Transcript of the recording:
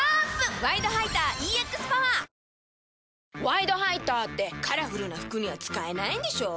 「ワイドハイター」ってカラフルな服には使えないんでしょ？